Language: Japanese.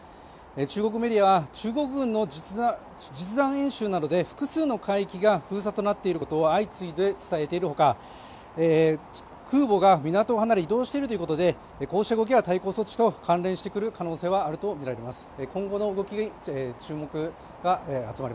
中国メディアは中国軍の実弾演習などで複数の海域が封鎖となっていることを相次いで伝えているほか、空母が港を離れ移動しているということでこうした動きが対抗措置と東京は３日連続の猛暑日となりましたね。